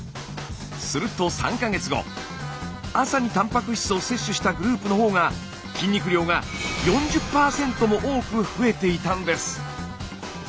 すると３か月後朝にたんぱく質を摂取したグループのほうが筋肉量が４０％も多く増えていたんです。